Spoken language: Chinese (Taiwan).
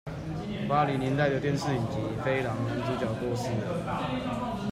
八零年代的電視影集《飛狼》男主角過世了